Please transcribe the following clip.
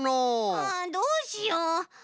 ああどうしよう。